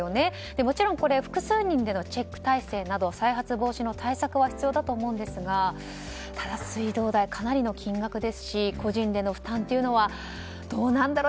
もちろん複数人でのチェック体制など再発防止の対策は必要だと思いますがただ、水道代かなりの金額ですし個人での負担というのはどうなんだろう。